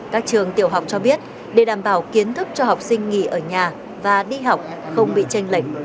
các trường tiểu học cho biết để đảm bảo kiến thức cho học sinh nghỉ ở nhà và đi học không bị tranh lệch